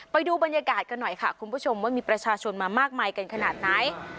ไปดูบรรยากาศกันหน่อยค่ะคุณผู้ชมว่ามีประชาชนมามากมายกันขนาดไหน